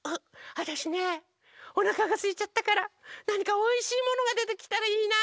わたしねおなかがすいちゃったからなにかおいしいものがでてきたらいいな。